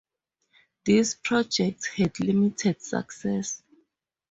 These projects had limited success.